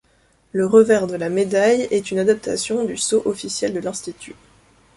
Le revers de la médaille est une adaptation du sceau officiel de l'Institut.